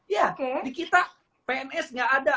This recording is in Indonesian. ya di kita pns nggak ada